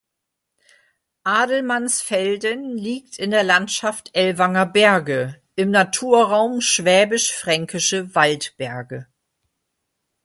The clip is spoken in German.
Adelmannsfelden liegt in der Landschaft Ellwanger Berge im Naturraum Schwäbisch-Fränkische Waldberge.